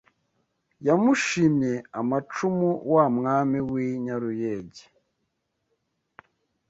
Yamushimye amacumu Wa Mwami w’i Nyaruyege